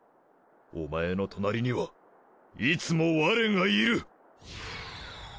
お前の隣にはいつもワレがいる！